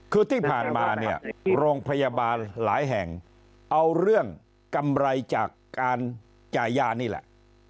คือที่ผ่านมาเนี่ยโรงพยาบาลหลายแห่งเอาเรื่องกำไรจากการจ่ายยานี่แหละ